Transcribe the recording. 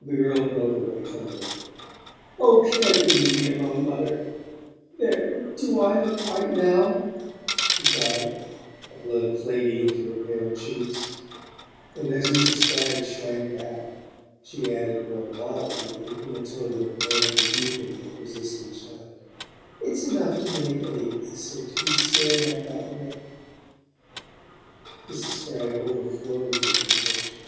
The girl broke away from her. "Oh, can't you leave me alone, mother? There do I look white NOW?" she cried, the blood flaming into her pale cheeks; and as Mrs. Spragg shrank back, she added more mildly, in the tone of a parent rebuking a persistent child: "It's enough to MAKE anybody sick to be stared at that way!" Mrs. Spragg overflowed with compunction.